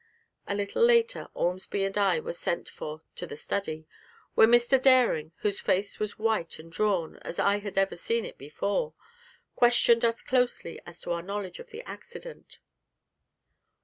A little later Ormsby and I were sent for to the study, where Dr. Dering, whose face was white and drawn as I had never seen it before, questioned us closely as to our knowledge of the accident.